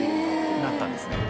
なったんですね。